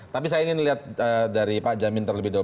tapi saya ingin lihat dari pak jamin terlebih dahulu